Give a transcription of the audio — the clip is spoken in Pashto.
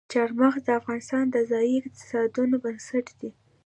چار مغز د افغانستان د ځایي اقتصادونو بنسټ دی.